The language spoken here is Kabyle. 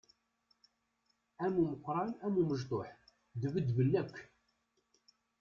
Am umeqqran am umecṭuḥ, ddbedben akk!